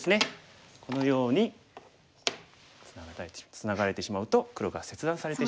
このようにツナがれてしまうと黒が切断されてしまう。